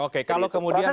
oke kalau kemudian